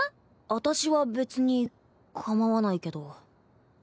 私は別に構わないけど。